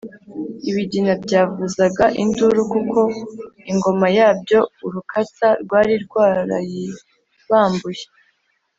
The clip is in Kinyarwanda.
Ibigina byavuzaga induru kuko ingoma yabyo Urukatsa rwari rwarayibambuye